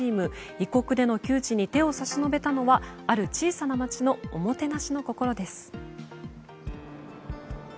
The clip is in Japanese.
異国での窮地に手を差し伸べたのはある小さな町のおもてなしの心です。